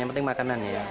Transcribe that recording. yang penting makanan ya